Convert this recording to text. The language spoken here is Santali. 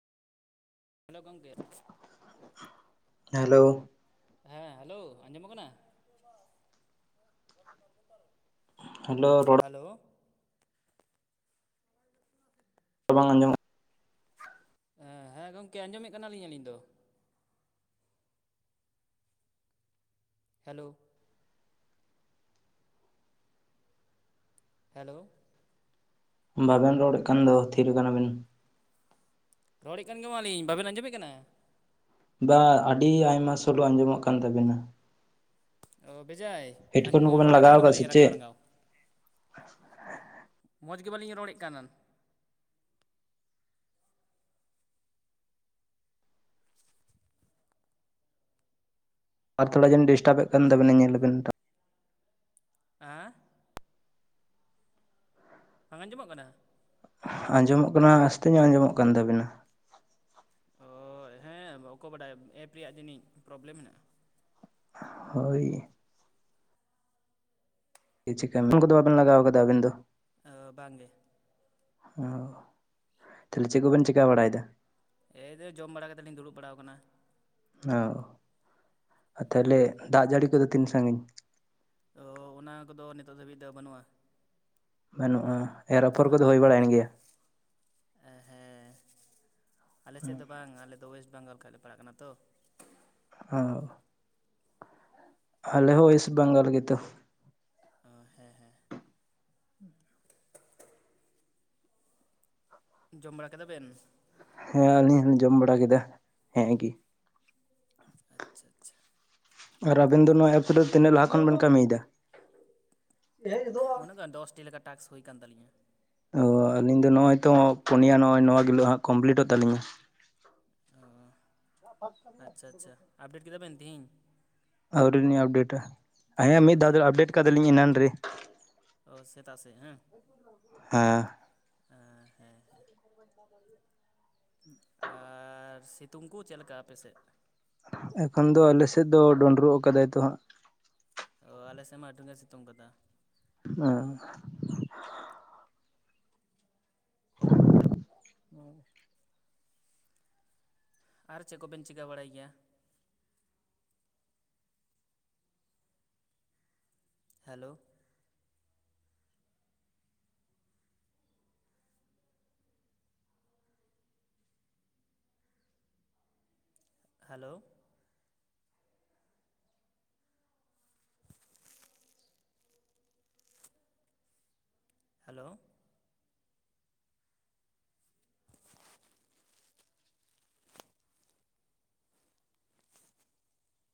ᱦᱮᱞᱳ ᱜᱚᱝᱠᱮ᱾ ᱦᱮᱞᱳ᱾ ᱦᱮᱸ ᱦᱮᱞᱳ ᱟᱸᱡᱚᱢᱚᱜ ᱠᱟᱱᱟ? ᱦᱮᱞᱳ ᱨᱚᱲ ᱦᱮᱞᱳ᱾ ᱵᱟᱝ ᱟᱸᱡᱚᱢᱚᱜ ᱮᱸ ᱦᱮᱸ ᱜᱚᱝᱠᱮ ᱟᱸᱡᱚᱢᱮᱜ ᱠᱟᱱᱟᱞᱤᱧ ᱟᱹᱞᱤᱧ ᱫᱚ᱾ ᱦᱮᱞᱳ᱾ ᱦᱮᱞᱳ᱾ ᱵᱟᱵᱮᱱ ᱨᱚᱲᱮᱫ ᱠᱟᱱ ᱫᱚ ᱛᱷᱤᱨ ᱠᱟᱱᱟ ᱵᱤᱱ᱾ ᱨᱚᱲᱮᱫ ᱠᱟᱱ ᱜᱮ ᱢᱟᱞᱤᱧ, ᱵᱟᱵᱮᱱ ᱟᱸᱡᱚᱢᱮᱫ ᱠᱟᱱᱟ? ᱵᱟ, ᱟᱹᱰᱤ ᱟᱭᱢᱟ ᱥᱳᱞᱳ ᱟᱸᱡᱚᱢᱚᱜ ᱠᱟᱱ ᱛᱟᱵᱤᱱᱟ᱾ ᱚ, ᱵᱮᱡᱟᱭ ᱦᱮᱰᱯᱷᱳᱱ ᱠᱚᱵᱮᱱ ᱨᱚᱲᱮᱫ ᱞᱟᱜᱟᱣ ᱠᱟᱱ ᱜᱮ ᱟᱠᱟᱫ ᱥᱮ ᱢᱟᱞᱮᱧ ᱨᱟᱸᱜᱟᱣ ᱪᱮᱫ ᱨᱟᱸᱜᱟᱣ᱾ ᱢᱚᱡᱽ ᱜᱮ ᱵᱟᱹᱞᱤᱧ ᱨᱚᱲᱮᱫ ᱠᱟᱱ᱾ ᱟᱨ ᱛᱷᱚᱲᱟ ᱡᱮᱱ ᱰᱤᱥᱴᱟᱵᱮᱜ ᱠᱟᱱ ᱛᱟᱵᱮᱱᱟᱭ ᱧᱮᱞᱟᱵᱮᱱ ᱴᱟᱜ ᱦᱮᱸ ᱵᱟᱝ ᱟᱸᱡᱚᱢᱚᱜ ᱠᱟᱱᱟ? ᱟᱸᱡᱚᱢᱚᱜ ᱠᱟᱱᱟ ᱟᱥᱛᱮ ᱧᱚᱜ ᱟᱸᱡᱚᱢᱚᱜ ᱠᱟᱱ ᱛᱟᱵᱤᱱᱟ᱾ ᱚ, ᱦᱮᱸ ᱚᱠᱚ ᱵᱟᱰᱟᱭ ᱮᱯ ᱨᱮᱭᱟᱜ ᱡᱟᱹᱱᱤᱡ ᱯᱨᱚᱵᱞᱮᱢ ᱢᱮᱱᱟᱜ-ᱟ᱾ ᱦᱳᱭ᱾ [unintelligible] ᱠᱚᱫᱚ ᱵᱟᱵᱮᱱ ᱞᱟᱜᱟᱣ ᱠᱟᱫᱟ ᱟᱹᱵᱤᱱ ᱫᱚ? ᱟᱹ, ᱵᱟᱝ ᱜᱮ᱾ ᱚ, ᱛᱟᱦᱞᱮ ᱪᱮᱫ ᱠᱚᱵᱮᱱ ᱪᱮᱠᱟ ᱵᱟᱲᱟᱭᱮᱫᱟ᱾ ᱮᱹᱭᱨᱮ ᱡᱚᱢ ᱵᱟᱲᱟ ᱠᱟᱛᱮ ᱞᱤᱧ ᱫᱩᱲᱩᱵ ᱵᱟᱲᱟᱣ ᱠᱟᱱᱟ᱾ ᱚ, ᱟᱨ ᱛᱟᱦᱞᱮ ᱫᱟᱜ ᱡᱟᱹᱲᱤ ᱠᱚᱫᱚ ᱛᱤᱱ ᱥᱟᱺᱜᱤᱧ? ᱚ, ᱚᱱᱟ ᱠᱚᱫᱚ ᱱᱤᱛᱚᱜ ᱫᱷᱟᱹᱵᱤᱡ ᱫᱚ ᱵᱟᱹᱱᱩᱜ-ᱟ᱾ ᱵᱟᱹᱱᱩᱜ-ᱟ ᱮᱨ ᱟᱯᱷᱚᱨ ᱠᱚᱫᱚ ᱵᱟᱝᱜᱮ ᱦᱩᱭ ᱵᱟᱲᱟᱭᱮᱱ ᱜᱮᱭᱟ? ᱦᱮᱸ, ᱟᱞᱮᱥᱮᱫ ᱫᱚ ᱵᱟᱝ ᱟᱞᱮᱫᱚ ᱚᱭᱮᱥᱴ ᱵᱮᱝᱜᱚᱞ ᱠᱷᱚᱡ ᱞᱮ ᱯᱟᱲᱟᱜ ᱠᱟᱱᱟ ᱛᱚ᱾ ᱚ᱾ ᱟᱞᱮ ᱦᱚᱸ ᱚᱭᱮᱥᱴ ᱵᱮᱝᱜᱚᱞ ᱨᱮᱜᱮ ᱛᱚ᱾ ᱚ, ᱦᱮᱸ ᱦᱮᱸ᱾ ᱡᱚᱢ ᱵᱟᱲᱟ ᱠᱮᱫᱟ ᱵᱮᱱ? ᱦᱮᱸ ᱟᱹᱞᱤᱧ ᱦᱚᱞᱤᱧ ᱡᱚᱢ ᱵᱟᱲᱟ ᱠᱮᱫᱟ ᱦᱮᱸ ᱜᱮ᱾ ᱟᱪᱪᱷᱟ ᱟᱪᱪᱷᱟ᱾ ᱟᱨ ᱟᱵᱮᱱ ᱫᱚ ᱱᱚᱣᱟ ᱮᱯᱥ ᱨᱮ ᱛᱤᱱᱟᱹᱜ ᱞᱟᱦᱟ ᱠᱷᱚᱱ ᱵᱮᱱ ᱠᱟᱹᱢᱤᱭᱮᱫᱟ? ᱩᱱᱟᱜ ᱜᱟᱱ ᱫᱚᱥᱴᱤ ᱞᱮᱠᱟ ᱴᱟᱠᱥ ᱦᱩᱭ ᱠᱟᱱ ᱛᱟᱞᱤᱧᱟ᱾ ᱚ, ᱟᱹᱞᱤᱧ ᱫᱚ ᱱᱚᱜ-ᱚᱭ ᱛᱚ ᱯᱩᱱᱭᱟ ᱱᱚᱜ-ᱚᱭ ᱱᱚᱣᱟ ᱜᱤᱞᱳᱜ ᱦᱟᱸᱜ ᱠᱚᱢᱯᱤᱞᱤᱴᱚᱜ ᱛᱟᱹᱞᱤᱧᱟ᱾ ᱚ᱾ ᱟᱪᱪᱷᱟ ᱟᱪᱪᱷᱟ [unintelligible] [unintelligible] ᱛᱤᱦᱤᱧ ᱟᱹᱣ ᱞᱤᱧ ᱟᱯᱰᱮᱴᱟ, ᱚ ᱦᱮᱸ ᱢᱤᱫ ᱫᱷᱟᱣ ᱛᱮᱫ ᱫᱚ ᱟᱯᱰᱮᱴ ᱠᱟᱫᱟ ᱞᱤᱧ ᱮᱱᱟᱱ ᱨᱮ᱾ ᱚ ᱥᱮᱛᱟᱜ ᱥᱮ ᱦᱮᱸ ᱟᱝ? ᱦᱮᱸ᱾ ᱟᱸ ᱦᱮᱸ ᱦᱮᱸ᱾ [inaudible] ᱟᱨ ᱥᱤᱛᱩᱝ ᱠᱩ ᱪᱮᱫ ᱞᱮᱠᱟ ᱟᱯᱮ ᱥᱮᱫ? ᱮᱠᱷᱚᱱ ᱫᱚ ᱟᱞᱮ ᱥᱮᱫ ᱫᱚ ᱰᱩᱱᱰᱩᱨᱩᱜ ᱠᱟᱫᱟᱭ ᱛᱚ ᱦᱟᱸᱜ᱾ ᱚ ᱟᱞᱮ ᱥᱮᱫ ᱢᱟ ᱟᱹᱰᱤ ᱜᱮ ᱥᱤᱛᱩᱝ ᱠᱟᱫᱟ᱾ ᱚ᱾ [inaudible] [unintelligible] ᱟᱨ ᱪᱮᱫ ᱠᱚᱵᱮᱱ ᱪᱤᱠᱟᱹ ᱵᱟᱲᱟᱭ ᱜᱮᱭᱟ? ᱦᱮᱞᱳ᱾ ᱦᱮᱞᱳ᱾ ᱦᱮᱞᱳ᱾